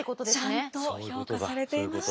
ちゃんと評価されていました。